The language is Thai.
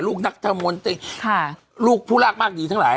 ลูกนักธมนตรีลูกผู้รากมากดีทั้งหลาย